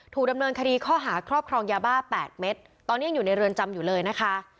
ถูกดำเนินคดีข้อหาครอบครองยาบ้า๘เม็ดตอนนี้ยังอยู่ในเรือนจำอยู่เลยนะคะ